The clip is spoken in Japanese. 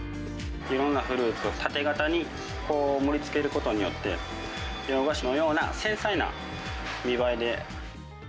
いろんなフルーツを縦型に盛りつけることによって、洋菓子のような繊細な見栄えで。